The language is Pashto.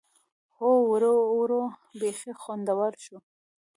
هوا ورو ورو بيخي خوندوره شوه.